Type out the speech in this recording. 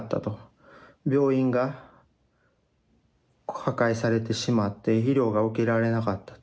病院が破壊されてしまって医療が受けられなかったと。